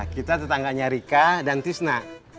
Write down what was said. kita tetangganya rika dan tisna